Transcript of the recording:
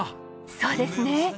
そうですね。